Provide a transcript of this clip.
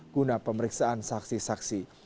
guna pemeriksaan saksi saksi